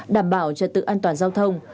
đảm bảo cho tự an toàn giao thông